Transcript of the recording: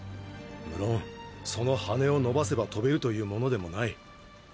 無論その羽を伸ばせば飛べるというものでもない。